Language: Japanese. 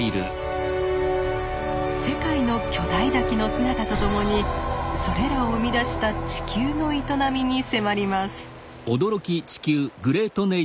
世界の巨大滝の姿とともにそれらを生み出した地球の営みに迫ります。